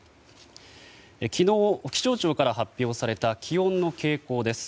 昨日、気象庁から発表された気温の傾向です。